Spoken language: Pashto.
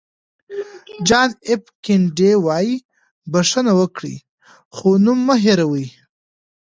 جان اېف کینېډي وایي بښنه وکړئ خو نوم مه هېروئ.